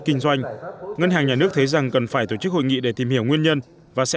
kinh doanh ngân hàng nhà nước thấy rằng cần phải tổ chức hội nghị để tìm hiểu nguyên nhân và sẽ